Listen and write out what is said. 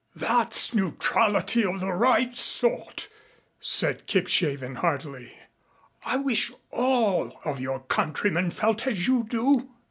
"That's neutrality of the right sort," said Kipshaven heartily. "I wish all of your countrymen felt as you do."